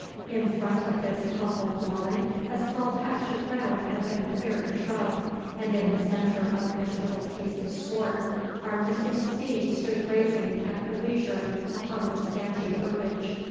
In front of this humble dwelling a small patch of ground had been cleared of shrub, and in the centre of this little piece of sward our missing steed stood grazing at her leisure upon the scanty herbage.